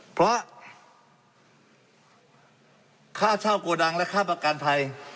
เพราะค่าเช่าโกดังและค่าประกันภัย